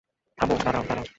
থামো, দাঁড়াও, দাঁড়াও।